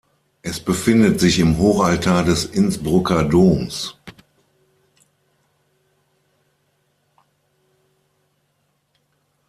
Es befindet sich im Hochaltar des Innsbrucker Doms.